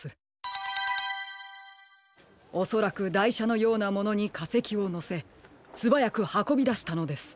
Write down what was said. おそらくだいしゃのようなものにかせきをのせすばやくはこびだしたのです。